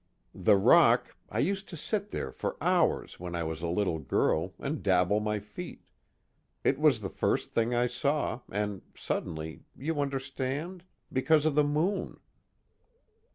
The rock I used to sit there for hours when I was a little girl, and dabble my feet. It was the first thing I saw, and suddenly, you understand? because of the moon."